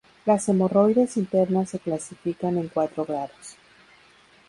Las hemorroides internas se clasifican en cuatro grados.